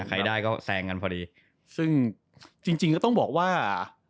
ใครได้ก็แซงกันพอดีซึ่งจริงจริงก็ต้องบอกว่า